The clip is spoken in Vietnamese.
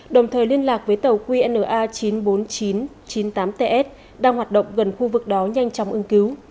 đồng thời liên lạc với tàu qna chín mươi bốn nghìn chín trăm chín mươi tám ts đang hoạt động gần khu vực đó nhanh chóng ưng cứu